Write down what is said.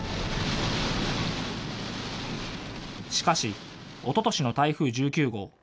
しかし、おととしの台風１９号。